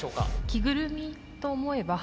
着ぐるみと思えば。